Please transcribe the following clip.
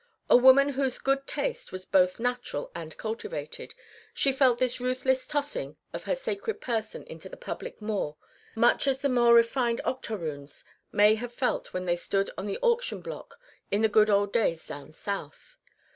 A woman whose good taste was both natural and cultivated, she felt this ruthless tossing of her sacred person into the public maw much as the more refined octoroons may have felt when they stood on the auction block in the good old days down South.